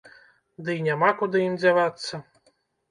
Дый няма куды ім дзявацца.